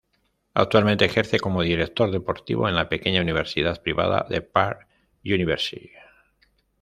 Actualmente ejerce como Director Deportivo en la pequeña universidad privada de Park University.